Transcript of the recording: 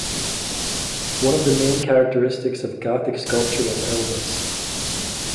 One of the main characteristics of Gothic sculpture was elegance.